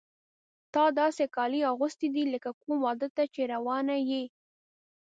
تا داسې کالي اغوستي دي لکه کوم واده ته چې روانه یې.